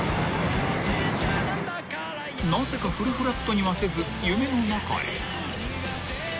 ［なぜかフルフラットにはせず夢の中へ］